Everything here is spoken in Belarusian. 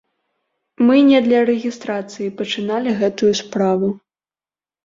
Мы не для рэгістрацыі пачыналі гэтую справу.